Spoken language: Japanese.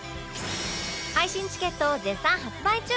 配信チケット絶賛発売中！